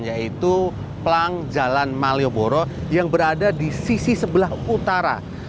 yaitu pelang jalan malioboro yang berada di sisi sebelah utara